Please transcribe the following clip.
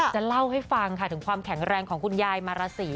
จะเล่าให้ฟังค่ะถึงความแข็งแรงของคุณยายมาราศี